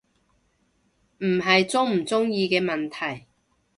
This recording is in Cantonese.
唔係鍾唔鍾意嘅問題